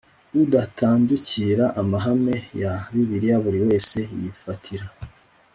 Udatandukira amahame ya bibiliya buri wese yifatira